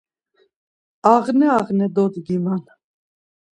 Ağne ağne dodguman.